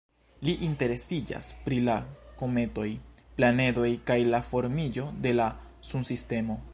Li interesiĝas pri la kometoj, planedoj kaj la formiĝo de la Sunsistemo.